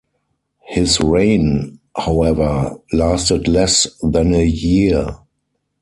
His reign, however, lasted less than a year.